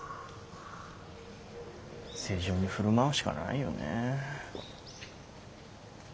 正常に振る舞うしかないよねえ。